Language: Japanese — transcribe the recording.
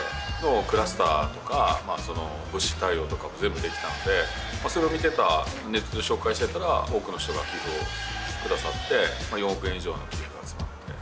クラスターとか物資対応とかも全部できたのでそれを見てたネットで紹介してたら多くの人が寄付を下さって４億円以上の寄付が集まって。